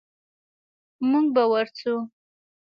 موږ به ورسو.